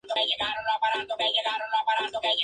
Jacinto Corujo y el Prof.